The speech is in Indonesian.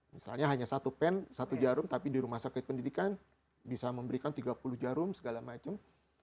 misalnya hanya satu pen satu jarum tapi di rumah sakit pendidikan bisa memberikan tiga puluh jarum segala macam